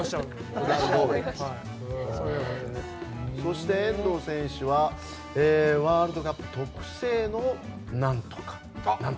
そして遠藤選手はワールドカップ特製の、何とか。